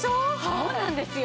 そうなんですよ